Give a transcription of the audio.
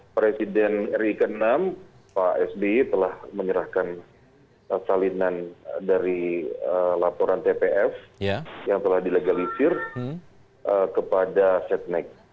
presiden ri ke enam pak sby telah menyerahkan salinan dari laporan tpf yang telah dilegalisir kepada setnek